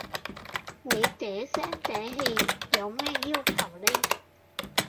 你嗲聲嗲氣有咩要求呢?